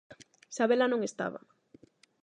Sabela non estaba.